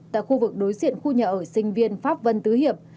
tại khu vực đối diện khu nhà ở sinh viên pháp vân tứ hiệp